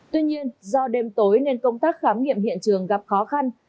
tuy nhiên do đêm tối nên công tác khám nghiệm hiện trường gặp khó khăn